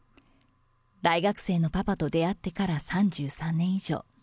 大学生のパパと出会ってから３３年以上。